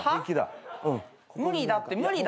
無理だって無理だって。